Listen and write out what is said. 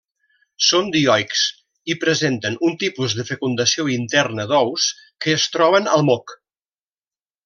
Són dioics i presenten un tipus de fecundació interna d'ous que es troben al moc.